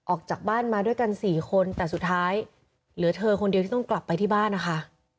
ออกจากบ้านมาด้วยกัน๔คนแต่สุดท้ายเหลือเธอคนเดียวที่ต้องกลับไปที่บ้านนะคะ